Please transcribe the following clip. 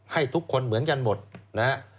ให้ทุกคนเหมือนกันหมดนะฮะ